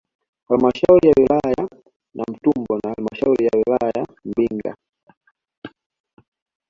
Halmashauri ya wilaya ya Namtumbo na halmashauri ya wilaya ya Mbinga